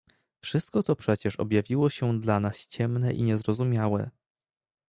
"Wszystko to przecież objawiało się dla nas ciemne i niezrozumiałe."